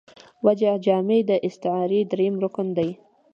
وجه جامع داستعارې درېیم رکن دﺉ.